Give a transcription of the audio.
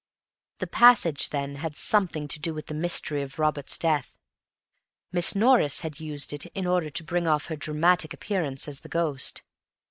The passage, then, had something to do with the mystery of Robert's death. Miss Norris had used it in order to bring off her dramatic appearance as the ghost.